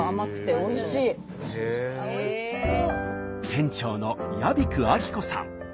店長の屋比久亜紀子さん。